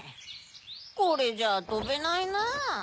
これじゃあとべないなぁ。